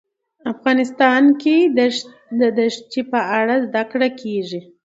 افغانستان کې د ښتې په اړه زده کړه کېږي.